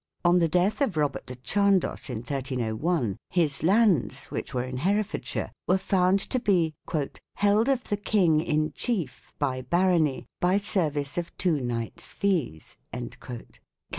2 On the death of Robert de Chandos in 1301, his lands (which were in Herefordshire) were found to be " held of the King in chief by barony, by service of two knights' fees" (" Cal.